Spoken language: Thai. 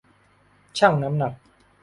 ชั่งน้ำหนัก